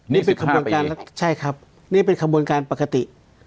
นี่สิบห้าปีใช่ครับนี่เป็นขบวนการปกติ